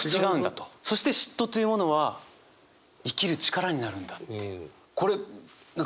そして嫉妬というものは生きる力になるんだっていう。